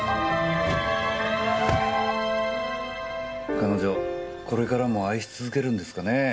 彼女これからも愛し続けるんですかねぇ。